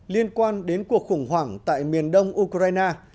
liên quan đến cuộc khủng hoảng tại miền đông ukraine